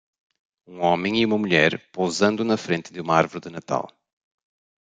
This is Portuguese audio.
Um homem e uma mulher posando na frente de uma árvore de Natal.